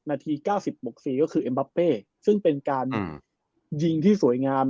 นาที๙๐บก๔ก็คือเอ็มบาเป้ซึ่งเป็นการยิงที่สวยงาม